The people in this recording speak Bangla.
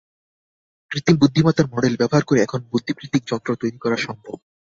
কৃত্রিম বৃদ্ধিমত্তার মডেল ব্যবহার করে এখন বুদ্ধিবৃত্তিক যন্ত্র তৈরি করা সম্ভব।